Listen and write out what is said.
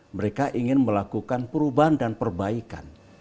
mereka ingin melakukan perubahan dan perbaikan